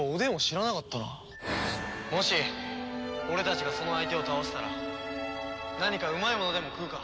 もし俺たちがその相手を倒せたら何かうまいものでも食うか。